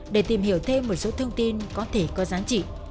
để tìm hiểu thêm một số thông tin có thể có giá trị